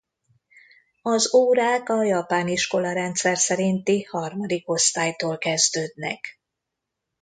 Az órák a japán iskolarendszer szerinti harmadik osztálytól kezdődnek.